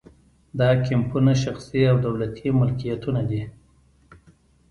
دا کیمپونه شخصي او دولتي ملکیتونه دي